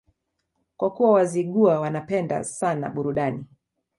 Kwa kuwa Wazigua wanapenda sana burudani